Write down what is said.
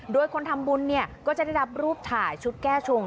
โดยคนทำบุญเนี่ยก็จะได้รับรูปถ่ายชุดแก้ชง